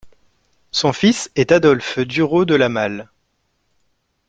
Son fils est Adolphe Dureau de la Malle.